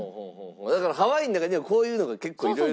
だからハワイの中にはこういうのが結構色々。